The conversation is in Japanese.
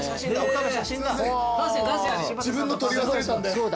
自分の撮り忘れたんで。